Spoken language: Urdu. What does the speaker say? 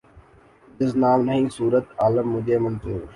جز نام نہیں صورت عالم مجھے منظور